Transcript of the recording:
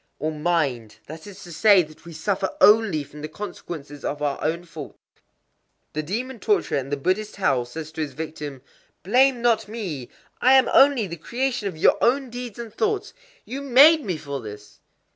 Or "mind." That is to say that we suffer only from the consequences of our own faults.—The demon torturer in the Buddhist hell says to his victim:—"Blame not me!—I am only the creation of your own deeds and thoughts: you made me for this!"